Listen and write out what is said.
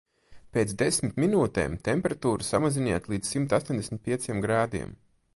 Pēc desmit minūtēm temperatūru samaziniet līdz simt astoņdesmit pieciem grādiem.